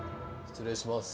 失礼します。